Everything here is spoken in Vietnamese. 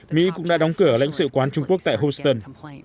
mỹ cũng đã đóng cửa lãnh sự quán trung quốc tại houston